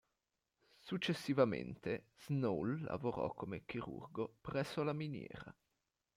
Successivamente Snow lavorò come chirurgo presso la miniera.